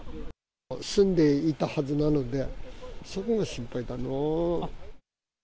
住んでいたはずなので、そこが心配だな。